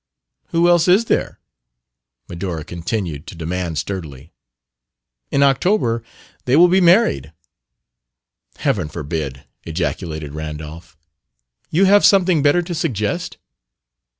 "Who else is there?" Medora continued to demand sturdily. "In October they will be married " "Heaven forbid!" ejaculated Randolph. "You have something better to suggest?"